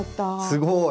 すごい！